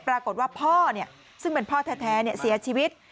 ปรากฏว่าพ่อซึ่งเป็นพ่อแท้เสียชีวิต